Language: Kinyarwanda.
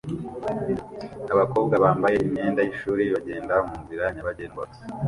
Abakobwa bambaye imyenda yishuri bagenda munzira nyabagendwa